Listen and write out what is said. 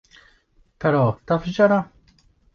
Però taf x'ġara?